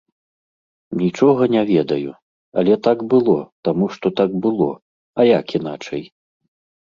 Нічога не ведаю, але так было, таму што так было, а як іначай.